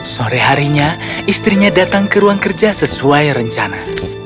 sore harinya istrinya datang ke ruang kerja sesuai rencana